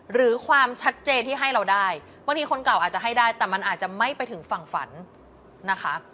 หรือความชัดเจนที่ให้เราได้บางทีคนเก่าอาจจะให้ได้แต่มันอาจจะไม่ไปถึงฝั่งฝันนะคะ